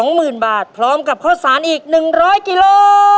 หมื่นบาทพร้อมกับข้าวสารอีก๑๐๐กิโล